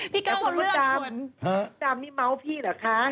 พี่ก้องเขาเลือกคุณแต่พี่ก้องว่าดามดามมีเม้าพี่เหรอคะ